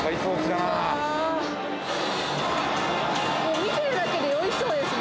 見てるだけで酔いそうですね。